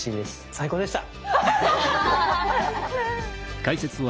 最高でした。